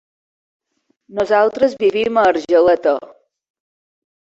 Nosaltres vivim a Argeleta.